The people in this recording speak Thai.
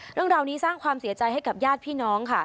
เรื่องราวนี้สร้างความเสียใจให้กับญาติพี่น้องค่ะ